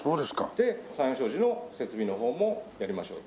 で三洋商事の設備の方もやりましょうと。